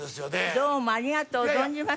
どうもありがとう存じます。